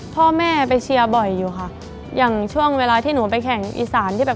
พ่อแม่ไปเชียร์บ่อยอยู่ค่ะอย่างช่วงเวลาที่หนูไปแข่งอีสานที่แบบ